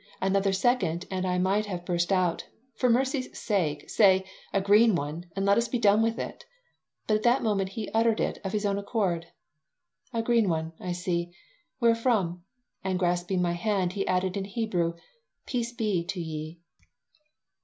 Another second and I might have burst out, "For mercy's sake say 'A green one,' and let us be done with it." But at that moment he uttered it of his own accord: "A green one, I see. Where from?" And grasping my hand he added in Hebrew, "Peace be to ye."